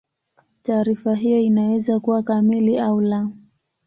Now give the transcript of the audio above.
Taarifa hiyo inaweza kuwa kamili au la.